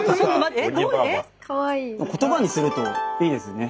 言葉にするといいですね。